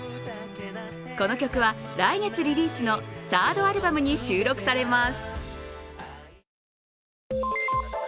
この曲は来月リリースのサードアルバムに収録されます。